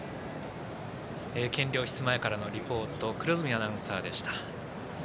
検量室前からのリポート黒住アナウンサーでした。